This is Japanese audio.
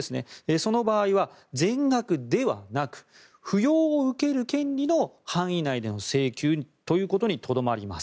その場合は全額ではなく扶養を受ける権利の範囲内での請求ということにとどまります。